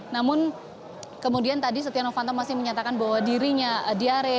namun kemudian tadi setia novanto masih menyatakan bahwa dirinya diare